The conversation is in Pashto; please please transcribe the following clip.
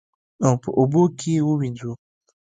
او په اوبو کې یې ووینځو.